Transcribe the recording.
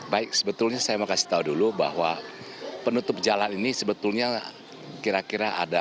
baik sebetulnya saya mau kasih tahu dulu bahwa penutup jalan ini sebetulnya kira kira ada